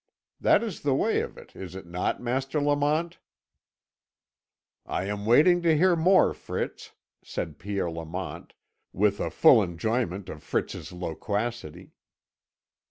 That is the way of it, is it not, Master Lamont?" "I am waiting to hear more, Fritz," said Pierre Lamont, with a full enjoyment of Fritz's loquacity.